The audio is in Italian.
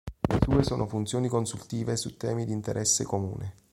Le sue sono funzioni consultive su temi di interesse comune.